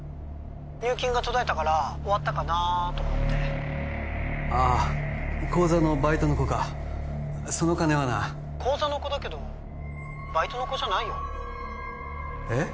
☎入金が途絶えたから☎終わったかなと思ってああ口座のバイトの子かその金はな☎口座の子だけど☎バイトの子じゃないよえっ？